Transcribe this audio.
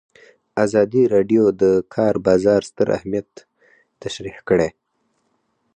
ازادي راډیو د د کار بازار ستر اهميت تشریح کړی.